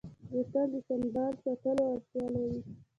بوتل د سنبال ساتلو اړتیا لري.